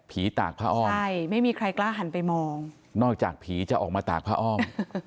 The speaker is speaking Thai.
ตากผ้าอ้อมใช่ไม่มีใครกล้าหันไปมองนอกจากผีจะออกมาตากผ้าอ้อม